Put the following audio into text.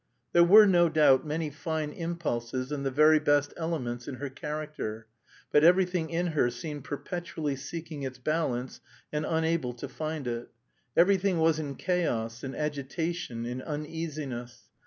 There were, no doubt, many fine impulses and the very best elements in her character, but everything in her seemed perpetually seeking its balance and unable to find it; everything was in chaos, in agitation, in uneasiness.